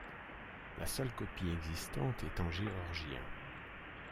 La seule copie existante est en géorgien.